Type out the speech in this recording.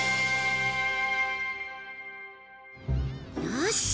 よし！